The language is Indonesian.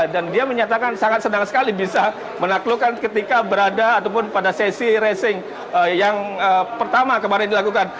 dan dia menyatakan sangat senang sekali bisa menaklukkan ketika berada ataupun pada sesi racing yang pertama kemarin dilakukan